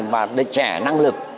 và đời trẻ năng lực